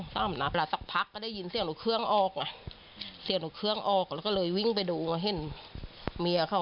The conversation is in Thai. สปักแล้วได้ยินเสียงลูกเครื่องออกตอนนั้นก็วิ้งไปดูบ้านเขา